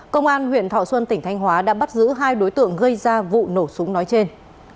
công an huyện thọ xuân tỉnh thanh hóa đã bắt giữ hai đối tượng gây ra vụ nổ súng nói trên